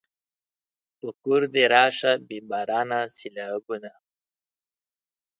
په کور دې راشه بې بارانه سېلابونه